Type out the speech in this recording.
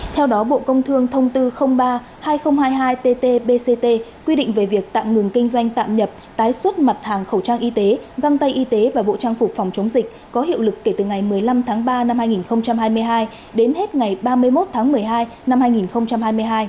theo đó bộ công thương thông tư ba hai nghìn hai mươi hai tt bct quy định về việc tạm ngừng kinh doanh tạm nhập tái xuất mặt hàng khẩu trang y tế găng tay y tế và bộ trang phục phòng chống dịch có hiệu lực kể từ ngày một mươi năm tháng ba năm hai nghìn hai mươi hai đến hết ngày ba mươi một tháng một mươi hai năm hai nghìn hai mươi hai